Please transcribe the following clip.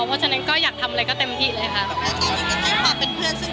เพราะฉะนั้นก็อยากทำอะไรก็เต็มที่เลยค่ะ